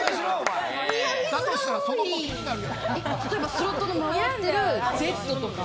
スロットの回ってるＺとか？